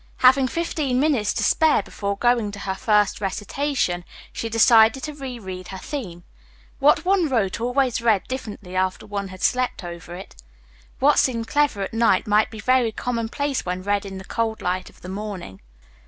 Having fifteen minutes to spare before going to her first recitation, she decided to reread her theme. What one wrote always read differently after one had slept over it. What seemed clever at night might be very commonplace when read in the cold light of the morning.